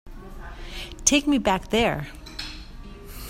Take me back there.